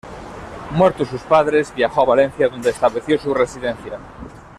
Muertos sus padres, viajó a Valencia donde estableció su residencia.